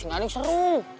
nggak ada yang seru